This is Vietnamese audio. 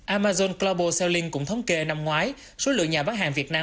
amazon global selling cũng thống kê năm ngoái số lượng nhà bán hàng việt nam